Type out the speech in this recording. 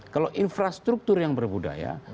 kalau infrastruktur yang berbudaya